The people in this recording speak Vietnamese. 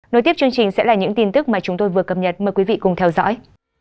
nối tiếp chương trình sẽ là những tin tức mà chúng tôi vừa cập nhật mời quý vị cùng theo dõi